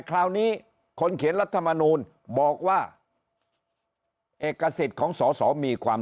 คราวนี้คนเขียนรัฐมนูลบอกว่าเอกสิทธิ์ของสอสอมีความ